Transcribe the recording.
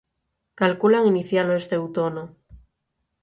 Calculan inicialo este outono.